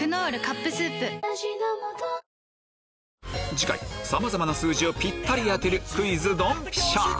次回さまざまな数字をピッタリ当てるクイズドンピシャ！